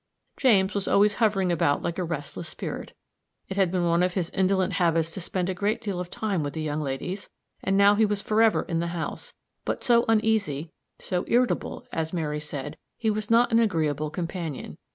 James was always hovering about like a restless spirit. It had been one of his indolent habits to spend a great deal of time with the young ladies; and now he was forever in the house; but so uneasy, so irritable as Mary said he was not an agreeable companion.